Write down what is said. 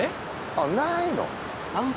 あっないの？